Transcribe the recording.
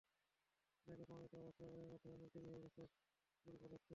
আমাদের বিজ্ঞানীদের কমিউনিটিতে অবশ্য এরই মধ্যে অনেক দেরি হয়ে গেছে শোরগোল হচ্ছে।